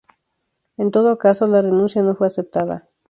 En todo caso la renuncia no fue aceptada.